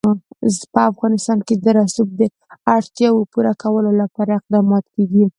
په افغانستان کې د رسوب د اړتیاوو پوره کولو لپاره اقدامات کېږي.